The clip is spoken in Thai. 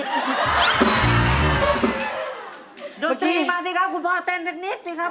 เมื่อกี้ดูเต็มนิดมาสิครับคุณพ่อเต็มเต็มนิดสิครับ